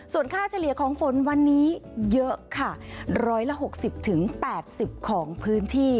ส่วนค่าเฉลี่ยของฝนวันนี้เยอะค่ะ๑๖๐๘๐ของพื้นที่